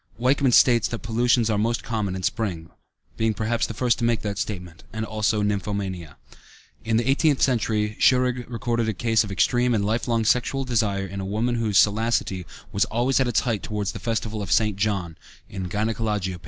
Wichmann states that pollutions are most common in spring (being perhaps the first to make that statement), and also nymphomania. (In the eighteenth century, Schurig recorded a case of extreme and life long sexual desire in a woman whose salacity was always at its height towards the festival of St. John, Gynæcologia, p.